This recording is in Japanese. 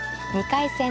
２回戦